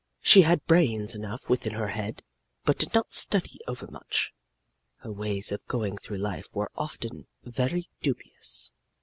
She had brains enough within her head, but did not study overmuch. Her ways of going through life were often very dubious.